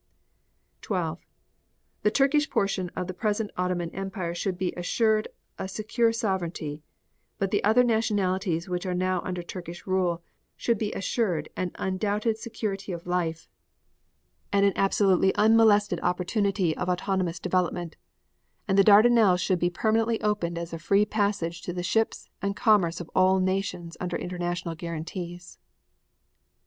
12. The Turkish portion of the present Ottoman Empire should be assured a secure sovereignty, but the other nationalities which are now under Turkish rule, should be assured an undoubted security of life and an absolutely unmolested opportunity of autonomous development, and the Dardanelles should be permanently opened as a free passage to the ships and commerce of all nations under international guarantees.